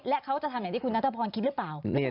และเขาจะทำอย่างที่คุณนัทพรคิดหรือเปล่า